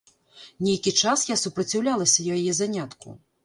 Нейкі час я супраціўлялася яе занятку.